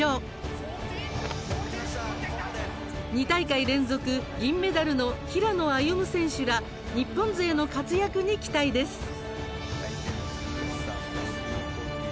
２大会連続銀メダルの平野歩夢選手ら日本勢の活躍に期待です。